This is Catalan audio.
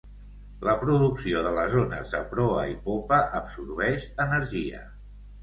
La producció de les ones de proa i popa absorbeix energia.